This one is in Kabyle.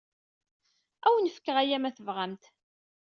Ad awen-fkeɣ aya ma tebɣam-t.